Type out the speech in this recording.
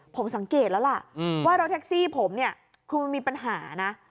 ผมสังเกตแล้วล่ะว่ารถแท็กซี่ผมเนี่ยคือมันมีปัญหานะ